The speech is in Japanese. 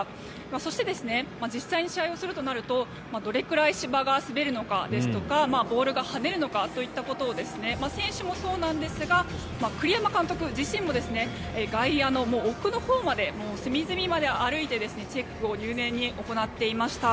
そして、実際に試合をするとなるとどれくらい芝が滑るのかですとかボールが跳ねるのかといったことを選手もそうなんですが栗山監督自身も外野の奥のほうまで隅々まで歩いてチェックを入念に行っていました。